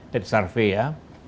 dari survei ya